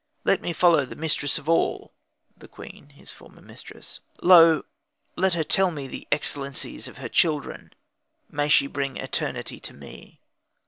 Let me follow the mistress of all (the queen, his former mistress); lo! let her tell me the excellencies of her children; may she bring eternity to me."